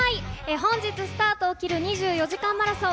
本日スタートを切る２４時間マラソン。